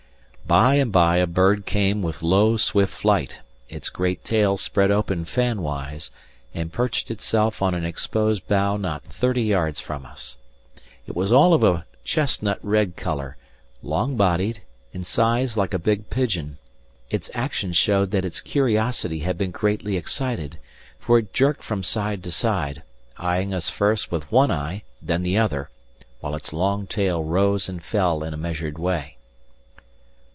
By and by a bird came with low, swift flight, its great tail spread open fan wise, and perched itself on an exposed bough not thirty yards from us. It was all of a chestnut red colour, long bodied, in size like a big pigeon. Its actions showed that its curiosity had been greatly excited, for it jerked from side to side, eyeing us first with one eye, then the other, while its long tail rose and fell in a measured way.